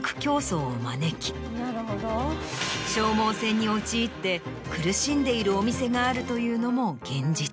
消耗戦に陥って苦しんでいるお店があるというのも現実。